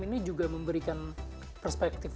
ini juga memberikan perspektif